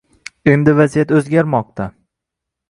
Endi vaziyat o'zgarmoqda